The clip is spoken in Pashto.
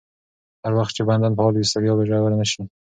هر وخت چې بدن فعال وي، ستړیا به ژوره نه شي.